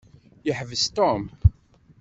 Yeḥbes Tom.